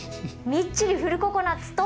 みっちりフルココナツと。